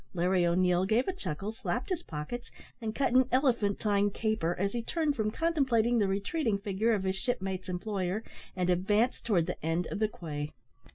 Larry O'Neil gave a chuckle, slapped his pockets, and cut an elephantine caper, as he turned from contemplating the retreating figure of his shipmate's employer, and advanced towards the end of the quay.